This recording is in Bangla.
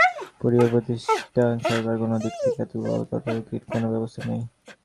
পরিবার, প্রতিষ্ঠান, সরকার কোনো দিক থেকে এগুলো তদারকির কোনো ব্যবস্থা নেই।